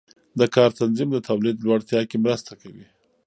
د کار تنظیم د تولید لوړتیا کې مرسته کوي.